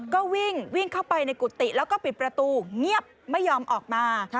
ก็วิ่งเข้าไปในกุฏิแล้วก็ปิดประตูเงียบไม่ยอมออกมา